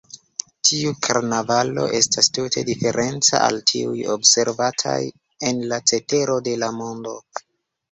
Tiu karnavalo estas tute diferenca al tiuj observataj en la cetero de la mondo.